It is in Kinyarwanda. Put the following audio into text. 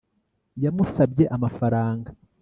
yamusabye amafaranga